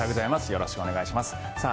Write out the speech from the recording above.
よろしくお願いします。